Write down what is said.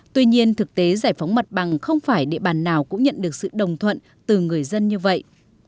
tuy nhiên thực tế giải phóng mặt bằng không phải địa bàn nào cũng nhận được sự đồng thuận từ người dân như vậy